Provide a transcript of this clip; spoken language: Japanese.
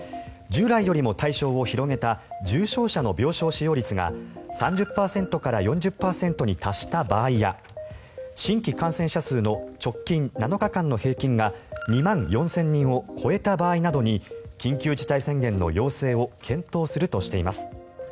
従来よりも対象を広げた重症者の病床使用率が３０％から４０％に達した場合や新規感染者数の直近７日間の平均が２万４０００人を超えた場合などに緊急事態宣言の要請を検討するとしています。